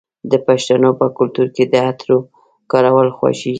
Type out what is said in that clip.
د پښتنو په کلتور کې د عطرو کارول خوښیږي.